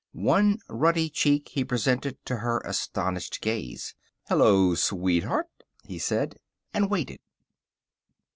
One ruddy cheek he presented to her astonished gaze. "Hello, sweetheart," he said. And waited.